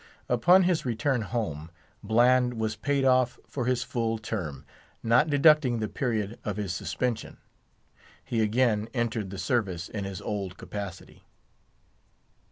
Upon his return home, Bland was paid off for his full term, not deducting the period of his suspension. He again entered the service in his old capacity.